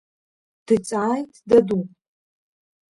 Дҵааит Даду.